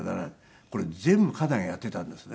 これ全部家内がやっていたんですね。